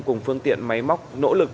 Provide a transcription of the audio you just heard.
cùng phương tiện máy móc nỗ lực